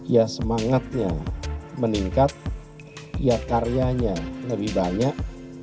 ya semangatnya meningkat ya karyanya lebih banyak